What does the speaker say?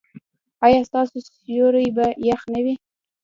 ایا ستاسو سیوري به يخ نه وي؟